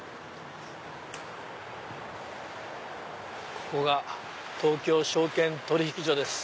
ここが東京証券取引所です。